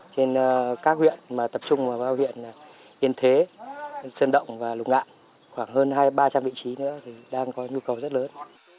trên các huyện mà tập trung vào huyện yên thế sơn động và lục ngạn khoảng hơn hai trăm linh ba trăm linh vị trí nữa thì đang có nhu cầu rất lớn